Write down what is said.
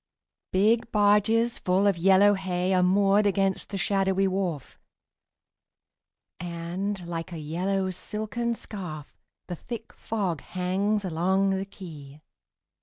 Big barges full of yellow hay Are moored against the shadowy wharf, And, like a yellow silken scarf, The thick fog hangs along the quay.